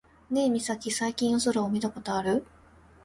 ねえミサキ、最近夜空を見たことある？